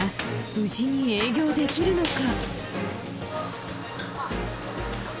無事に営業できるのか？